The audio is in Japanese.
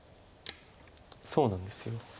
そうなんです。